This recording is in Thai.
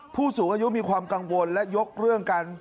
ผู้สูงอายุมีความกังวลและยกเรื่องกัน